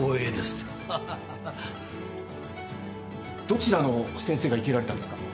どちらの先生が生けられたんですか？